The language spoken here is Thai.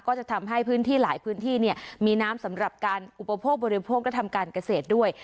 ก็จะทำให้พื้นที่หลายพื้นที่มีน้ำสำหรับการอุปโภคบริโภคและทำการเกษตรด้วย